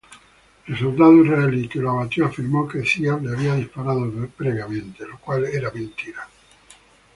El soldado israelí que lo abatió afirmó que Ziad le había disparado previamente.